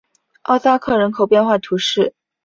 奥萨克人口变化图示